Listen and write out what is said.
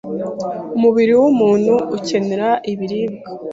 Umubiri w’umuntu ukenera ibiribwa